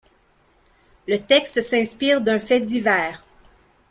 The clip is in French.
Le texte s'inspire d'un fait divers.